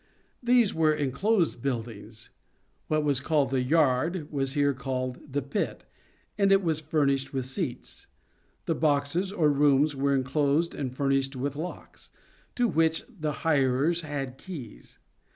These were enclosed buildings. What was called the " yard " was here called the " pit," and it was furnished with seats. The boxes, or rooms, were enclosed and furnished with locks, to which the hirers had keys.